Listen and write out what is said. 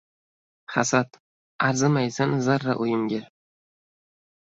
Hasad, arzimaysan zarra o‘yimga